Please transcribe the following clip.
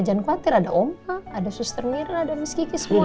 nanti sama oma ada suster mira ada miss kiki semua